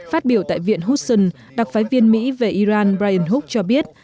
phát biểu tại viện hudson đặc phái viên mỹ về iran brian hook cho biết